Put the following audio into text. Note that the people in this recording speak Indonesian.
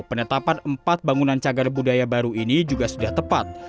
penetapan empat bangunan cagar budaya baru ini juga sudah tepat